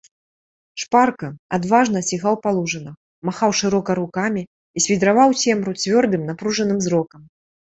Шпарка, адважна сігаў па лужынах, махаў шырока рукамі і свідраваў цемру цвёрдым напружаным зрокам.